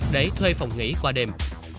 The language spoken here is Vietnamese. để thuê phòng nghỉ qua đêm